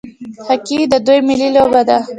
هاکي د دوی ملي لوبه ده.